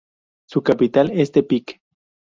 Su capital es Tepic.